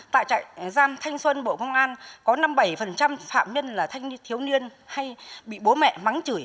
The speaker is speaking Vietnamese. tại trại giam thanh xuân bộ công an có năm mươi bảy phạm nhân là thanh niên thiếu niên hay bị bố mẹ mắng chửi